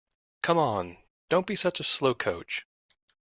Come on! Don't be such a slowcoach!